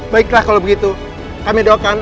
baiklah kalau begitu kami doakan